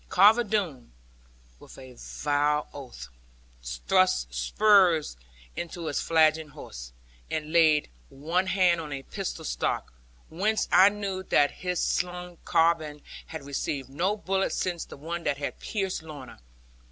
Carver Doone, with a vile oath, thrust spurs into his flagging horse, and laid one hand on a pistol stock; whence I knew that his slung carbine had received no bullet since the one that had pierced Lorna.